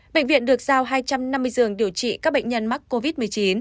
bệnh viện được giao hai trăm năm mươi giường điều trị các bệnh nhân mắc covid một mươi chín